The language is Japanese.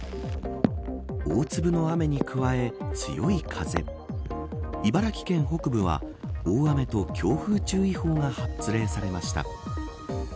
大粒の雨に加え、強い風茨城県北部は大雨と強風注意報が発令されました。